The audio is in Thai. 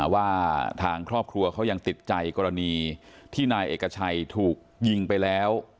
ว่าทางครอบครัวเขายังติดใจกรณีที่นายเอกชัยถูกยิงไปแล้ว